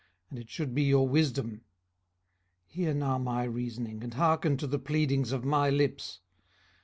and it should be your wisdom. 18:013:006 Hear now my reasoning, and hearken to the pleadings of my lips.